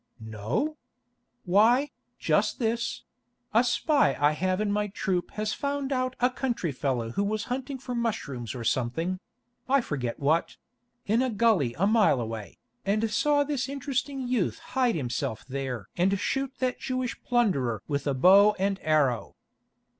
"Know? Why, just this: a spy I have in my troop has found out a country fellow who was hunting for mushrooms or something—I forget what—in a gully a mile away, and saw this interesting youth hide himself there and shoot that Jewish plunderer with a bow and arrow.